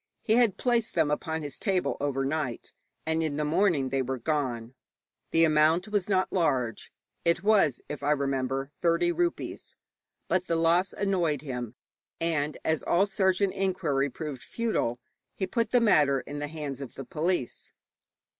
He had placed them upon his table overnight, and in the morning they were gone. The amount was not large. It was, if I remember rightly, thirty rupees; but the loss annoyed him, and as all search and inquiry proved futile, he put the matter in the hands of the police.